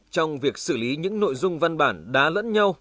trong việc xử lý những nội dung văn bản đã lẫn nhau